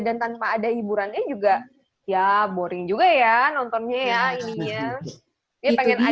dan tanpa ada hiburannya juga ya boring juga ya nontonnya ya ininya